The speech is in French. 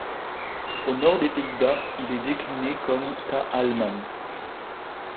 Au nord des Pays-Bas, il est décliné comme Taalman.